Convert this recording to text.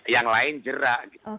yang lain jerak gitu